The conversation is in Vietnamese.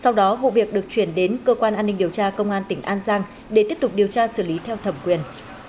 sau đó vụ việc được chuyển đến cơ quan an ninh điều tra công an tỉnh an giang để tiếp tục điều tra xử lý theo thẩm quyền